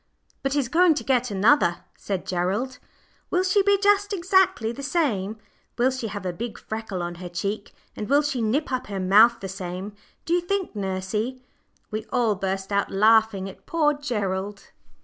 "But he's going to get another," said Gerald. "Will she be just exactly the same will she have a big freckle on her cheek, and will she nip up her mouth the same, do you think, nursey?" We all burst out laughing at poor Gerald.